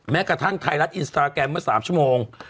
แม้กระทั่งไทยรัฐอินสตาแกรมเมื่อ๓ชั่วโมง